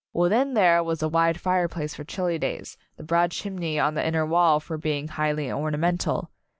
Within there was a wide fireplace for chilly days, the broad chimney on the inner wall being highly ornamental.